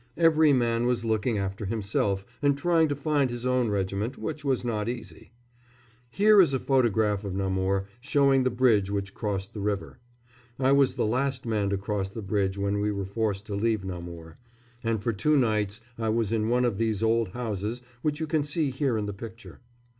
Every man was looking after himself and trying to find his own regiment, which was not easy. Here is a photograph of Namur, showing the bridge which crosses the river. I was the last man to cross the bridge when we were forced to leave Namur; and for two nights I was in one of these old houses which you can see here in the picture.